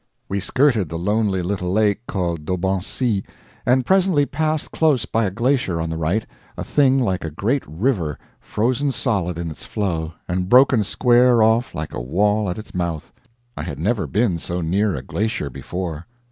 We skirted the lonely little lake called the Daubensee, and presently passed close by a glacier on the right a thing like a great river frozen solid in its flow and broken square off like a wall at its mouth. I had never been so near a glacier before.